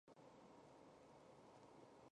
几兄弟姊妹曾协助谭父运作冶金山寨厂。